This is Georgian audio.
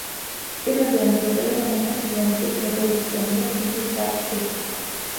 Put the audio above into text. პირველი ამერიკელი, რომელსაც მიანიჭეს ნობელის პრემია ქიმიის დარგში.